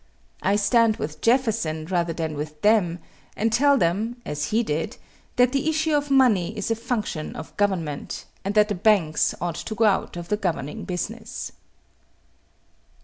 I stand with Jefferson rather than with them, and tell them, as he did, that the issue of money is a function of government, and that the banks ought to go out of the governing business.